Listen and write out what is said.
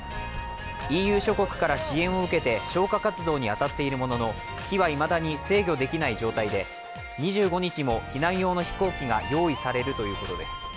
ＥＵ諸国から支援を受けて消火活動に当たっているものの火はいまだに制御できない状態で、２５日も避難用の飛行機が用意されるということです。